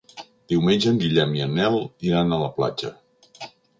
Diumenge en Guillem i en Nel iran a la platja.